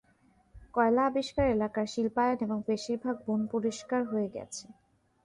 কয়লা আবিষ্কার এলাকার শিল্পায়ন এবং বেশিরভাগ বন পরিষ্কার হয়ে গেছে।